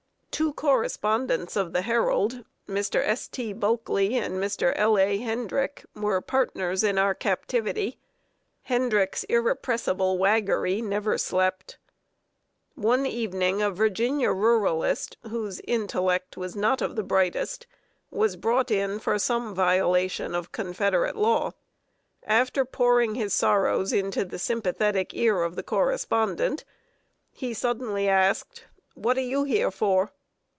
Two correspondents of The Herald, Mr. S. T. Bulkley and Mr. L. A. Hendrick, were partners in our captivity. Hendrick's irrepressible waggery never slept. One evening a Virginia ruralist, whose intellect was not of the brightest, was brought in for some violation of Confederate law. After pouring his sorrows into the sympathetic ear of the correspondent, he suddenly asked: "What are you here for?"